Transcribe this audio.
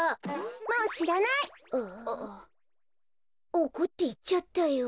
おこっていっちゃったよ。